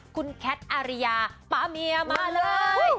คุณแคทอาริยาป๊าเมียมาเลย